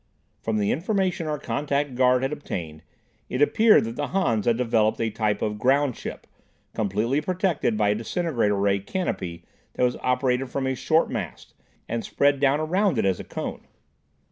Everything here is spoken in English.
From the information our contact guard had obtained, it appeared that the Hans had developed a type of "groundship" completely protected by a disintegrator ray "canopy" that was operated from a short mast, and spread down around it as a cone.